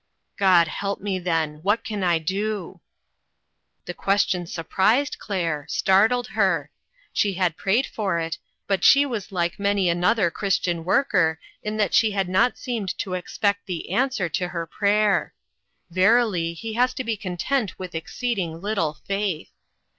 "God help me, then! What can I do?" The question surprised Claire, startled her. She had prayed for it, but she was like ONE OF THE VICTIMS. many another Christian worker in that she had not seemed to expect the answer to her prayer. Verily, He has to be content with exceeding little faith